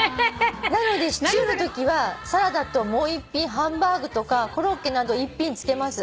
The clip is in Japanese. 「なのでシチューのときはサラダともう一品ハンバーグとかコロッケなど一品付けます。